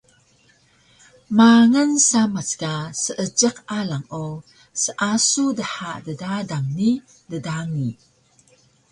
Mangal samac ka seejiq alang o seasug dha ddadan ni dngdangi